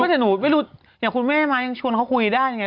แต่หนูไม่รู้อย่างคุณแม่ม้ายังชวนเขาคุยได้ไง